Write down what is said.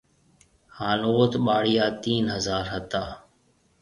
ھانَ اوٿ ٻاݪيان تين ھزار ھتا۔